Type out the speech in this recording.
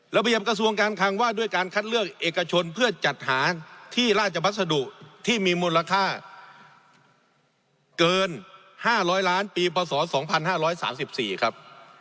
ระเบียบกระทรวงการคังว่าด้วยการคัดเลือกเอกชนเพื่อจัดหาที่ราชพัสดุที่มีมูลค่าเกิน๕๐๐ล้านปีพศ๒๕๓๔ครับ